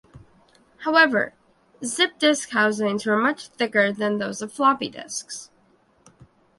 However, Zip disk housings were much thicker than those of floppy disks.